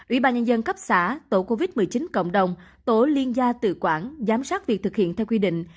ủy ban nhân dân cấp xã tổ covid một mươi chín cộng đồng tổ liên gia tự quản giám sát việc thực hiện theo quy định